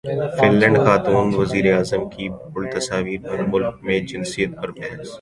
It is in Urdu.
فن لینڈ خاتون وزیراعظم کی بولڈ تصاویر پر ملک میں جنسیت پر بحث